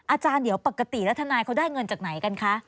อาจารย์เดี๋ยวปกติแล้วทนายเขาได้เงินจากไหนกันคะ